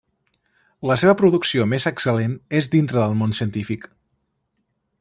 La seva producció més excel·lent és dintre del món científic.